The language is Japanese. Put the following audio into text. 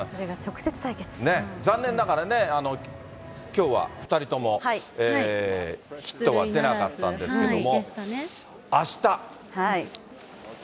残念ながらね、きょうは２人ともヒットは出なかったんですけれども。